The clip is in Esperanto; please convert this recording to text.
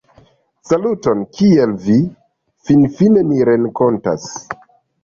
- Saluton! Kiel vi? Finfine ni renkontas-